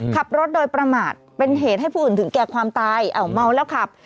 ขับรถโดยประมาทเป็นเหตุให้ผู้อื่นถึงแก่ความตายเมาแล้วขับ